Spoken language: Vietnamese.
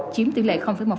chiếm tỷ lệ một